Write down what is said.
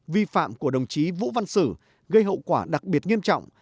vi phạm của đồng chí vũ văn sử gây hậu quả đặc biệt nghiêm trọng